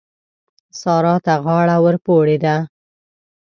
سارا ته غاړه ورپورې ده.